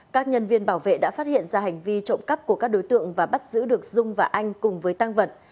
các nhân viên bảo vệ đã phát hiện ra hành vi trộm cắp của các đối tượng và bắt giữ được dung và anh cùng với tăng vật